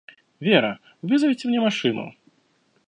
Вера, вызовите мне машину.